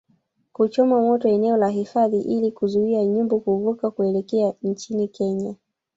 kuchoma moto eneo la hifadhi ili kuzuia nyumbu kuvuka kuelekea nchini Kenya